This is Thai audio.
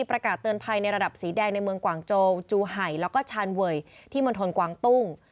ประกาศเตือนภัยในระดับสีแดงในเมืองกวางโจจูไห่แล้วก็ชาญเวยที่มณฑลกวางตุ้ง